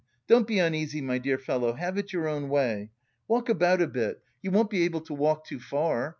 Don't be uneasy, my dear fellow, have it your own way. Walk about a bit, you won't be able to walk too far.